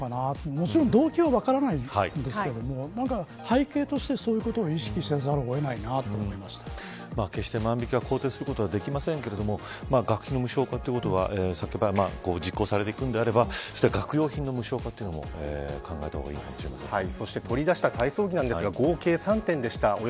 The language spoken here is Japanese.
もちろん、動機は分からないんですけれども背景としてそういうことを意識せざるを得ないなと決して、万引きを肯定することはできませんが学費の無償化ということは実行されていくのであれば学用品の無償化も考えた方がそして、取り出した体操着なんですが合計３点でした。